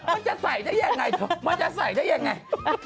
มันจะใส่ได้ยังไงเถอะมันจะใส่ได้ยังไง